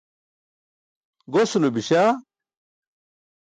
Gosulo biśa.